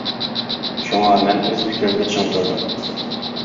شۇڭا مەن ئۆز پىكرىمدە چىڭ تۇردۇم.